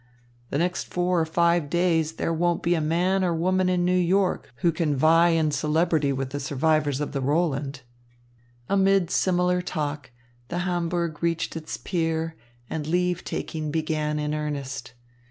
The next four or five days there won't be a man or woman in New York who can vie in celebrity with the survivors of the Roland." Amid similar talk, the Hamburg reached its pier, and leave taking began in earnest.